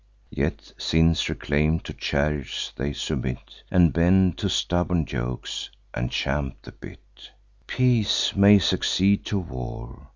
Yet, since reclaim'd to chariots they submit, And bend to stubborn yokes, and champ the bit, Peace may succeed to war.